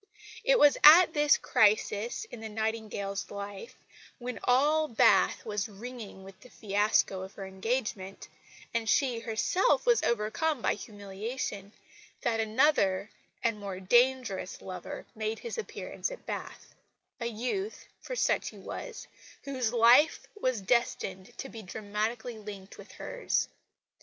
It was at this crisis in the Nightingale's life, when all Bath was ringing with the fiasco of her engagement, and she herself was overcome by humiliation, that another and more dangerous lover made his appearance at Bath a youth (for such he was) whose life was destined to be dramatically linked with hers.